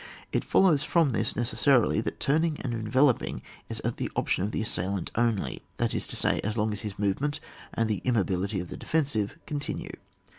It fol lows from this, necessarily, that turning and enveloping is at the option of the assailant only, that is to say, as long as his movement and the immobility of the defensive continue.